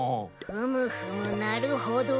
ふむふむなるほど。